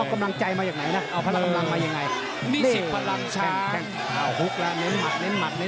เอากำลังใจมาอย่างไหนนะเอาพละกำลังมาอย่างไง